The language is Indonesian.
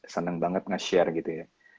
senang banget nge share gitu ya